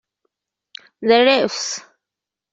The "Refs.